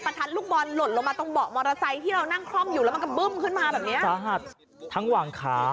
ประทัดลูกบอลหลดลงมาตรงเบาะมอเตอร์ไซต์ที่เรานั่งคล่อมอยู่แล้วมันก็บึ้มขึ้นมาแบบนี้